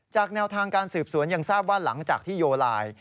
แนวทางการสืบสวนยังทราบว่าหลังจากที่โยไลน์